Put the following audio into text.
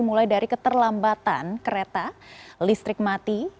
mulai dari keterlambatan kereta listrik mati